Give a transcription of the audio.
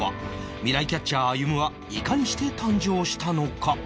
未来キャッチャー歩はいかにして誕生したのか？